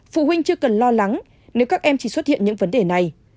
phụ huynh chưa cần lo lắng nếu các em chỉ xuất hiện những vấn đề này